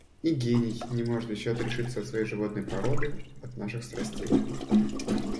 И гений не может еще отрешиться от своей животной породы, от наших страстей.